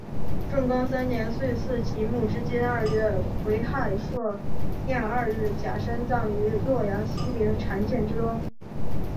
正光三年岁次析木之津二月癸亥朔廿二日甲申葬于洛阳西陵缠涧之东。